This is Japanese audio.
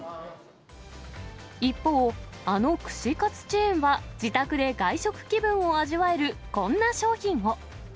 一方、あの串カツチェーンは自宅で外食気分を味わえるこんな商品を。